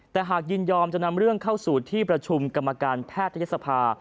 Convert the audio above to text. แต่หากยินยอมจะนำเรื่องเข้าสู่ที่ประชุมกรรมการแพทยศภา